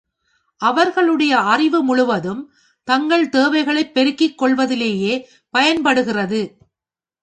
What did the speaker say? அவர்களுடைய அறிவு முழுதும் தங்கள் தேவைகளைப் பெருக்கிக் கொள்வதிலேயே பயன்படுகிறது.